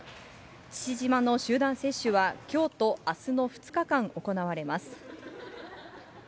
父島の集団接種は、きょうとあすの２日間行われます。